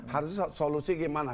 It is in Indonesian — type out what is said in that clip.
harusnya solusi gimana